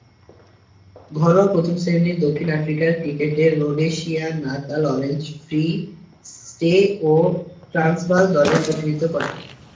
ঘরোয়া প্রথম-শ্রেণীর দক্ষিণ আফ্রিকান ক্রিকেটে Rhodesia, Natal, Orange free State ও ট্রান্সভাল দলের প্রতিনিধিত্ব করেন।